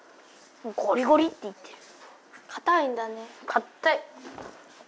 かったい。